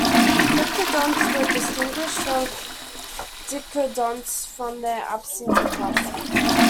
Cryptodonts were distinguished from dicynodonts from their absence of tusks.